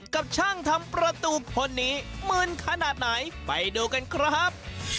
กับช่างทำประตูคนนี้มึนขนาดไหนไปดูกันครับ